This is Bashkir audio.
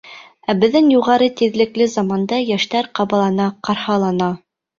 Ә беҙҙең юғары тиҙлекле заманда йәштәр ҡабалана-ҡарһалана.